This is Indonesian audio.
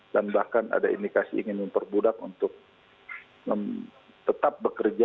dan bahkan ada indikasi ingin memperbudak untuk tetap bekerja